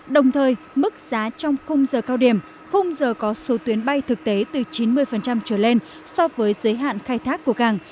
đồng thời mức giá trong khung giờ cao điểm khung giờ có số tuyến bay thực tế từ chín mươi trở lên so với giới hạn khai thác của cảng